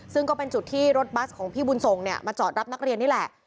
ซึ่งก็เป็นจุดที่รถบัสของพี่บุญส่งเนี่ยมาจอดรับนักเรียนนี่แหละ